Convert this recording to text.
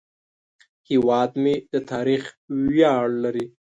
هیواد مې د تاریخ ویاړ لري